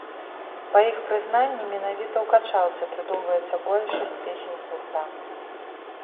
Па іх прызнанні, менавіта ў качалцы прыдумваецца большасць песень гурта.